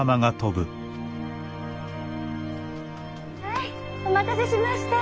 はいお待たせしました。